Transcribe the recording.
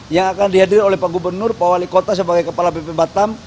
yang akan dihadir oleh pak gubernur pak wali kota sebagai kepala bp batam